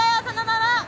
そのまま！